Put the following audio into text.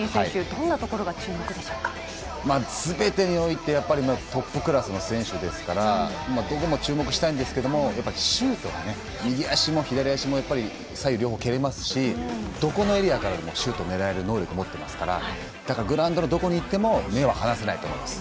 どんなところがすべてにおいてトップクラスの選手ですからどこも注目したいんですけどシュートが右足も左足も両方、蹴れますしどこのエリアからでもシュートを狙える能力を持っていますからグラウンドのどこにいても目を離せないと思います。